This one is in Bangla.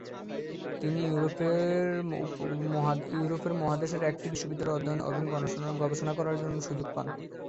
তিনি ইউরোপের মহাদেশের একটি বিশ্ববিদ্যালয়ে অধ্যয়ন ও গবেষণা করার সুযোগ পান।